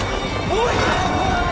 おい！